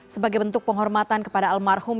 sebagai bentuk penghormatan kepada almarhum